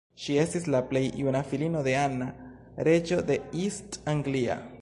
Ŝi estis la plej juna filino de Anna, reĝo de East Anglia.